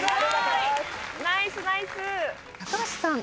高橋さん。